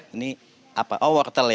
ini apa oh wortel ya